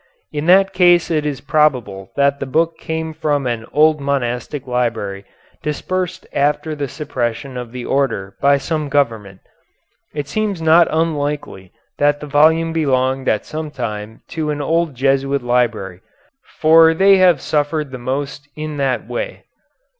In that case it is probable that the book came from an old monastic library dispersed after the suppression of the order by some government. It seems not unlikely that the volume belonged at some time to an old Jesuit library, for they have suffered the most in that way.